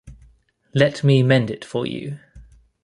Let me mend it for you.